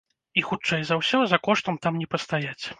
І, хутчэй за ўсё, за коштам там не пастаяць.